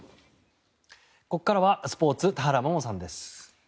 ここからはスポーツ田原萌々さんです。